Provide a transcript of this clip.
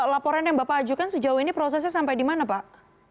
laporan yang bapak ajukan sejauh ini prosesnya sampai di mana pak